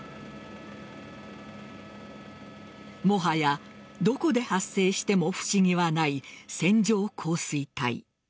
もはやどこで発生しても不思議はない線状降水帯。